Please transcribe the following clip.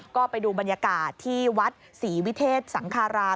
ก็ไปดูบรรยากาศที่วัดศรีวิเทศสังคาราม